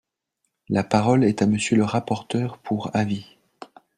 La parole est à Monsieur le rapporteur pour avis.